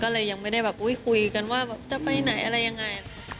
ก็เลยยังไม่ได้แบบคุยกันว่าแบบจะไปไหนอะไรยังไง